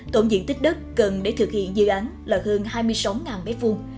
tổng diện tích đất cần để thực hiện dự án là hơn hai mươi sáu